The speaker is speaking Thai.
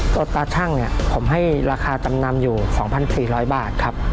โต๊ะตาช่างผมให้ราคาจำนำอยู่๒๔๐๐บาทครับ